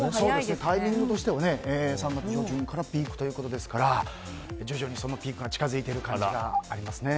タイミングとしては３月上旬からピークということですから徐々にピークが近づいている感じがありますね。